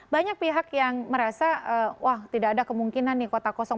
banyak pihak yang merasa wah tidak ada kemungkinan nih kota kosong